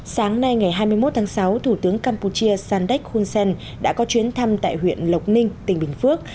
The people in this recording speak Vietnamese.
sáng nay ngày hai mươi một tháng sáu thủ tướng campuchia sandek hunsen đã có chuyến thăm tại huyện lộc ninh tỉnh bình phước